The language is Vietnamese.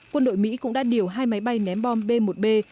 quân đội mỹ cũng đã điều hai máy bay ném bom chiến lược siêu thanh b một b lancer